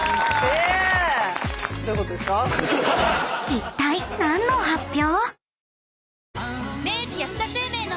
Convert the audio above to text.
［いったい何の発表⁉］